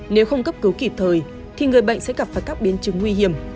nếu không cấp cứu kịp thời thì người bệnh sẽ gặp phải các biến chứng nguy hiểm